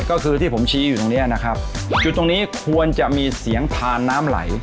ก็คือที่ผมชี้อยู่ตรงเนี้ยนะครับจุดตรงนี้ควรจะมีเสียงทานน้ำไหล